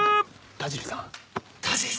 田尻さん！